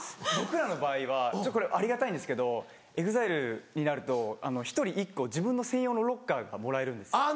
僕らの場合はこれありがたいんですけどＥＸＩＬＥになると一人１個自分の専用のロッカーがもらえるんです。